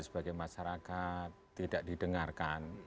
sebagai masyarakat tidak didengarkan